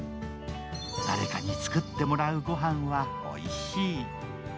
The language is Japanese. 誰かに作ってもらう御飯はおいしい。